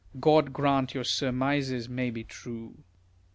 God grant your surmises may be true.